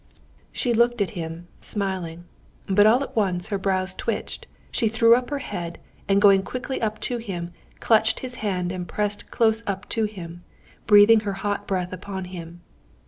She looked at him, smiling; but all at once her brows twitched, she threw up her head, and going quickly up to him, clutched his hand and pressed close up to him, breathing her hot breath upon him.